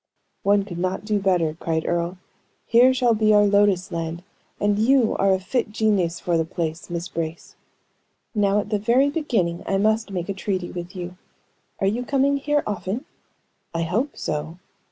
"One could not do better," cried Earle. "Here shall be our lotus land, and you are a fit genius for the place, Miss Brace." "Now, at the very beginning, I must make a treaty with you. Are you coming here often?" "I hope so."